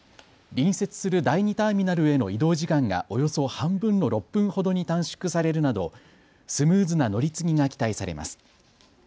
隣接する第２ターミナルへの移動時間がおよそ半分の６分ほどに短縮されるなどスムーズな乗り継ぎが期待されます。